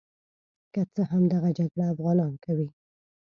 که څه هم دغه جګړه افغانان کوي.